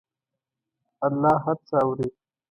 الله هر څه اوري.